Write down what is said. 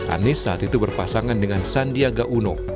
anies saat itu berpasangan dengan sandiaga uno